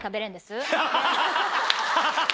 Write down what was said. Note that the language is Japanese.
ハハハハ。